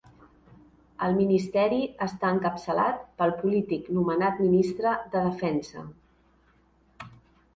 El ministeri està encapçalat pel polític nomenat Ministre de Defensa.